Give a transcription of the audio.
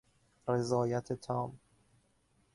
رضایت تام